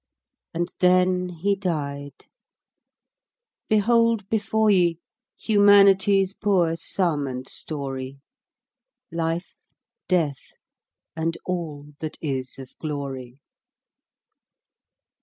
And then he died! Behold before ye Humanity's poor sum and story; Life, Death, and all that is of glory.